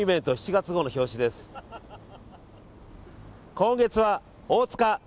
今月は大塚。